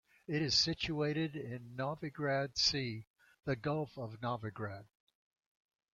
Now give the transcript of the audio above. It is situated in Novigrad Sea, the gulf of Novigrad.